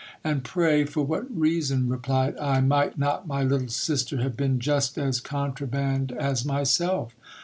And pray, for what reason, replied I, might not my little sister have been just as contraband as myself?